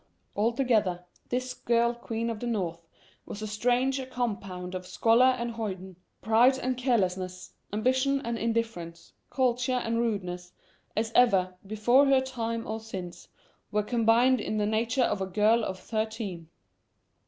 Altogether, this girl Queen of the North was as strange a compound of scholar and hoyden, pride and carelessness, ambition and indifference, culture and rudeness, as ever, before her time or since, were combined in the nature of a girl of thirteen.